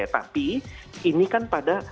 tapi ini kan pada